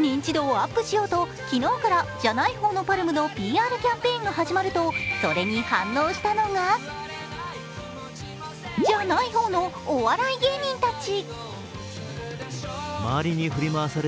認知度をアップしようと昨日からじゃない方のＰＡＲＭのＰＲキャンペーンが始まると、それに反応したのが、じゃない方たちのお笑い芸人たち。